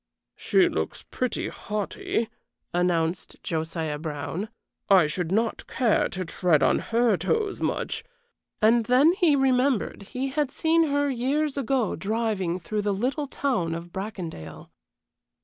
"She looks pretty haughty," announced Josiah Brown. "I should not care to tread on her toes much." And then he remembered he had seen her years ago driving through the little town of Bracondale.